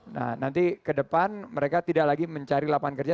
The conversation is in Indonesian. nah nanti ke depan mereka tidak lagi mencari lapangan kerja